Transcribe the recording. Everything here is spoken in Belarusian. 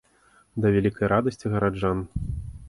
Да вялікай радасці гараджан.